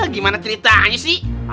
gimana ceritanya sih